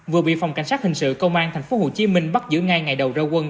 vừa bị phòng cảnh sát hình sự công an tp hcm bắt giữ ngay ngày đầu ra quân